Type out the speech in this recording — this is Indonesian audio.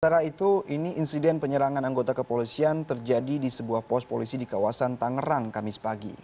sementara itu ini insiden penyerangan anggota kepolisian terjadi di sebuah pos polisi di kawasan tangerang kamis pagi